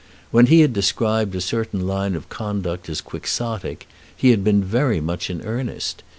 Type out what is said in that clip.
When he had described a certain line of conduct as Quixotic he had been very much in earnest.